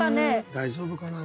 「大丈夫かな？